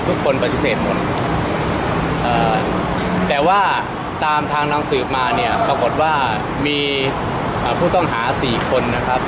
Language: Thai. ทุกคนปฏิเสธหมดแต่ว่าตามทางนำสืบมาเนี่ยปรากฏว่ามีผู้ต้องหา๔คนนะครับ